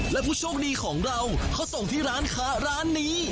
และผู้โชคดีของเราเขาส่งที่ร้านค้าร้านนี้